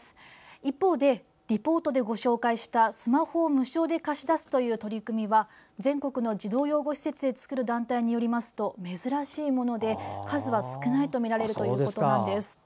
一方でリポートでご紹介したスマホを無償で貸し出すという取り組みは全国の児童養護施設で作る団体によりますと、珍しいもので数は少ないとみられるということなんです。